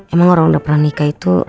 emang orang udah pernah nikah itu